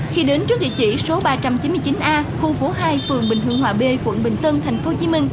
khi đến trước địa chỉ số ba trăm chín mươi chín a khu phố hai phường bình hương hòa b quận bình tân tp hcm